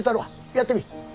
やってみ。